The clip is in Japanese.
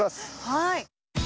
はい。